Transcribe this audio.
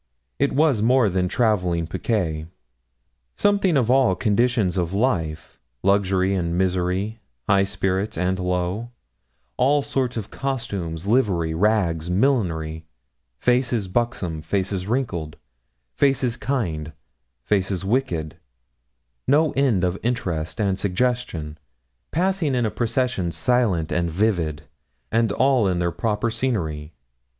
It was more than travelling picquet. Something of all conditions of life luxury and misery high spirits and low; all sorts of costume, livery, rags, millinery; faces buxom, faces wrinkled, faces kind, faces wicked; no end of interest and suggestion, passing in a procession silent and vivid, and all in their proper scenery.